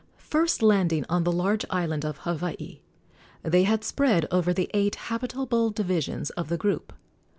First landing on the large island of Hawaii, they had spread over the eight habitable divisions of the group.